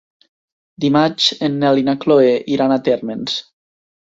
Dimarts en Nel i na Chloé iran a Térmens.